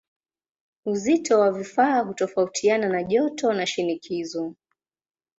Uzito wa vifaa hutofautiana na joto na shinikizo.